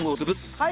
はい。